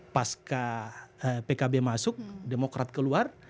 pas pkb masuk demokrat keluar